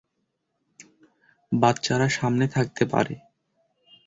বাচ্চারা সামনে থাকতে পারে।